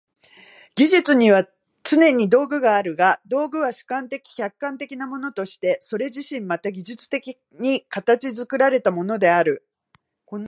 技術にはつねに道具があるが、道具は主観的・客観的なものとしてそれ自身また技術的に形作られたものである。